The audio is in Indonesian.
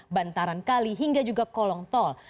bantaran kali hingga juga kolong tol